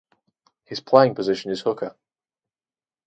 His playing position is hooker.